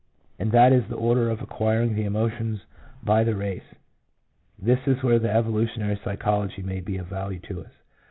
5 1 and that is the order of acquiring the emotions by the race. This is where the evolutionary psychology may be of value to us.